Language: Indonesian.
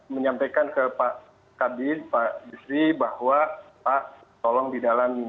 menyampaikan ke pak yusri bahwa pak tolong didalami